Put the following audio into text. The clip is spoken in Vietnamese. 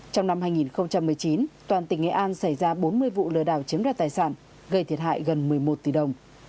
trong năm hai nghìn một mươi chín toàn tỉnh nghệ an xảy ra bốn mươi vụ lừa đảo chiếm đoạt tài sản gây thiệt hại gần một mươi một tỷ đồng